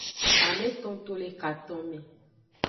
Ameto to le katonme.